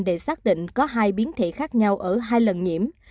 để xác định có hai biến thể khác nhau ở hai lần nhiễm